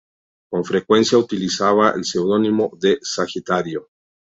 Con frecuencia utilizaba el seudónimo de Sagitario.